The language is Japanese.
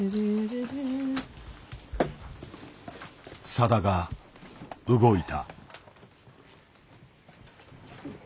さだが動いた。